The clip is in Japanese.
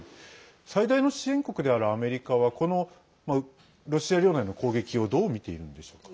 最大の支援国であるアメリカはこのロシア領内の攻撃をどう見ているんでしょうか？